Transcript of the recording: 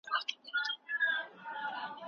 ډیپلوماټان د بشري کرامت ساتلو لپاره څه پلي کوي؟